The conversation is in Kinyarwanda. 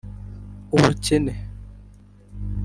Ubukene